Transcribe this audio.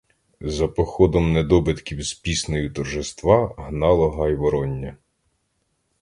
За походом недобитків з піснею торжества гнало гайвороння.